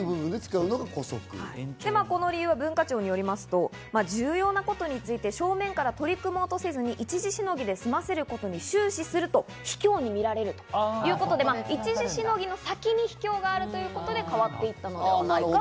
この理由は文化庁によりますと、重要なことについて正面から取り組もうとせずに、一時しのぎで済ませることに終始すると卑怯に見られるということで一時しのぎの先に卑怯があるということで変わっていったのではないか。